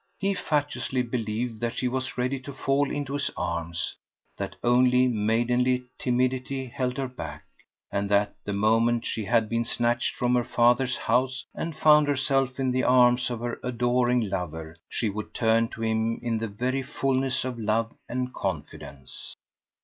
He fatuously believed that she was ready to fall into his arms, that only maidenly timidity held her back, and that the moment she had been snatched from her father's house and found herself in the arms of her adoring lover, she would turn to him in the very fullness of love and confidence.